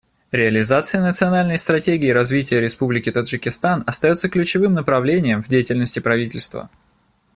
Реализация национальной стратегии развития Республики Таджикистан остается ключевым направлением в деятельности правительства.